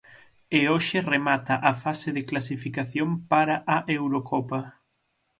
E hoxe remata a fase de clasificación para a Eurocopa.